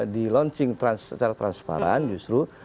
di launching secara transparan justru